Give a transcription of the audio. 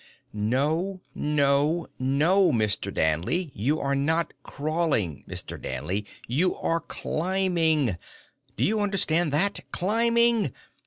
"No, no, no, Mr. Danley! You are not crawling, Mr. Danley, you are climbing! Do you understand that? _Climbing!